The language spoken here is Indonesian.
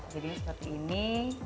jadi seperti ini